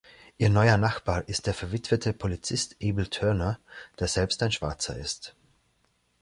Ihr neuer Nachbar ist der verwitwete Polizist Abel Turner, der selbst ein Schwarzer ist.